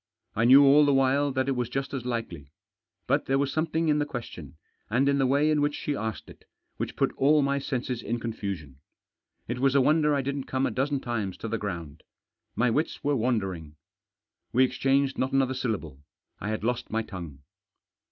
I knew all the while that it was just as likely. But there was something in the ques tion, and in the way in which she asked it, which put all my senses in confusion. It was a wonder I didn't come a dozen times to the ground. My wits were wandering. We exchanged not another syllable. I had lost my tongue.